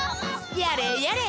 やれやれ。